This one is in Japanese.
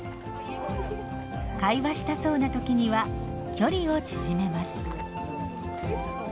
会話したそうな時には距離を縮めます。